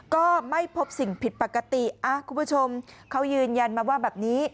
ก็ไม่พบสิ่งผิดปกติคุณผู้ชมเขายืนยันมาว่าแบบนี้